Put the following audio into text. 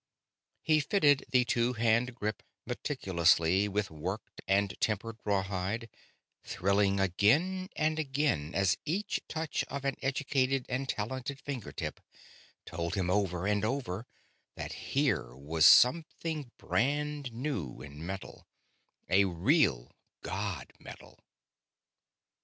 He fitted the two hand grip meticulously with worked and tempered rawhide, thrilling again and again as each touch of an educated and talented finger tip told him over and over that here was some thing brand new in metal a real god metal.